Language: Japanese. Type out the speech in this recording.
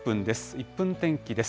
１分天気です。